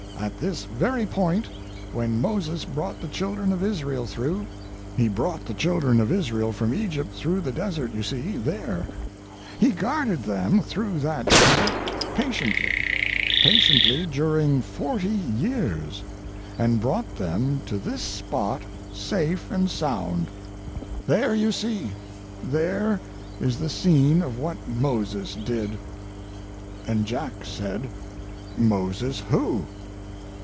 At this very point, when Moses brought the children of Israel through—he brought the children of Israel from Egypt through the desert you see there—he guarded them through that desert patiently, patiently during forty years, and brought them to this spot safe and sound. There you see—there is the scene of what Moses did." And Jack said: "Moses who?"